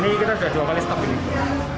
ini kita sudah dua kali stop ini